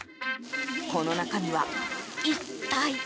この中身は一体？